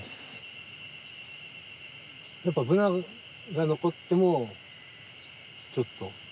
やっぱブナが残ってもちょっと。